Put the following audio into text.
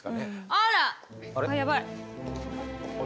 あら？